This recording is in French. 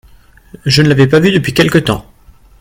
Je ne l'avais pas vu depuis quelque temps.